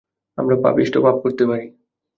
আমরা পাপিষ্ঠ, পাপ করতে পারি।